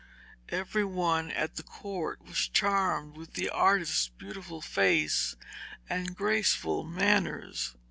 Every one at the court was charmed with the artist's beautiful face and graceful manners.